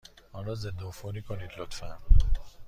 آن را ضدعفونی کنید، لطفا.